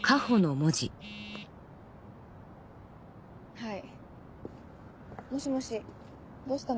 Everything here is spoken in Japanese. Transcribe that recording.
はいもしもしどうしたの？